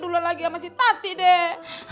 tuh kan kedua lagi sama si tati deh